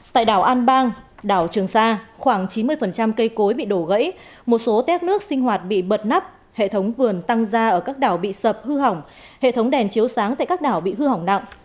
tại đảo an bang đảo trường sa khoảng chín mươi cây cối bị đổ gãy một số tét nước sinh hoạt bị bật nắp hệ thống vườn tăng ra ở các đảo bị sập hư hỏng hệ thống đèn chiếu sáng tại các đảo bị hư hỏng nặng